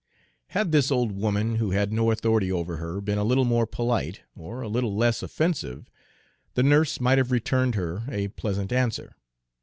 Had this old woman, who had no authority over her, been a little more polite, or a little less offensive, the nurse might have returned her a pleasant answer.